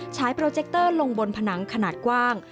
ใช้โปรเจคเตอร์ลงบนผนังขนาดกว้าง